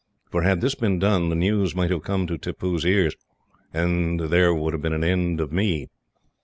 For had this been done, the news might have come to Tippoo's ears, and there would have been an end of me.